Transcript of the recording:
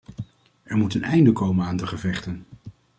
Er moet een einde komen aan de gevechten.